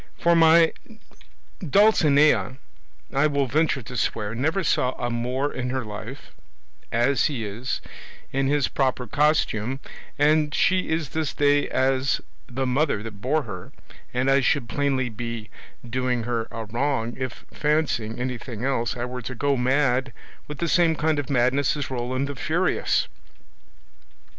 For my Dulcinea, I will venture to swear, never saw a Moor in her life, as he is, in his proper costume, and she is this day as the mother that bore her, and I should plainly be doing her a wrong if, fancying anything else, I were to go mad with the same kind of madness as Roland the Furious.